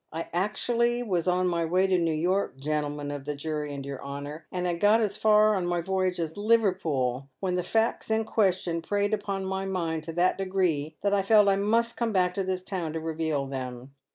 I was ackshally on my way to New York, gentlemen of the jury and your honour, and had got as far on my voyage as Liverpool, when the facks in question preyed upon my mind to that degree that I felt that I must come back to this town to reveal them.